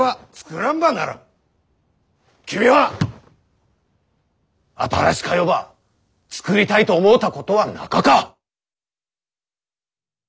君は新しか世ば作りたいと思うたことはなかか？